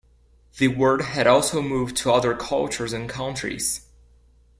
The word had also moved to other cultures and countries.